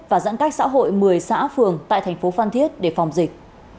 và giãn cách xã hội một mươi xã phường tại tp phan thiết để phòng dịch